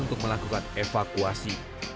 untuk melakukan evakuasi